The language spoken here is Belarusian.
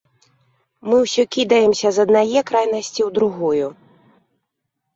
Мы ўсё кідаемся з аднае крайнасці ў другую.